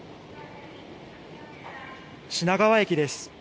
品川駅です。